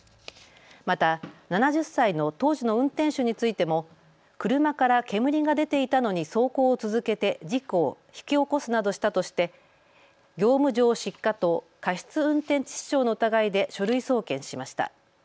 また７０歳の当時の運転手についても車から煙が出ていたのに走行を続けて事故を引き起こすなどしたとして業務上失火と過失運転致死傷の疑いで書類送検しました。